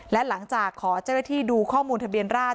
และหลังจากขอเจ้าหน้าที่ดูข้อมูลทะเบียนราช